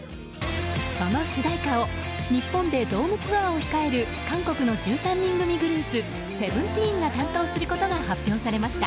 その主題歌を日本でドームツアーを控える韓国の１３人組グループＳＥＶＥＮＴＥＥＮが担当することが発表されました。